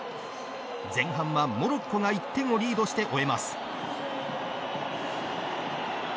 前半はモロッコが１点をリードして終えます。